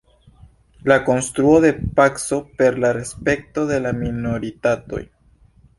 La konstruo de paco per la respekto de la minoritatoj.